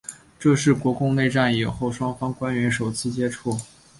这是国共内战以后双方官员首次接触。